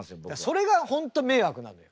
それが本当迷惑なのよ。